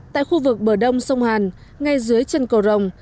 tại khu vực bờ đông sông hàn ngay dưới chân cầu rồng